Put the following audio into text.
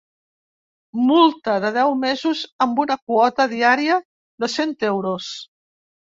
Multa de deu mesos amb una quota diària de cent euros.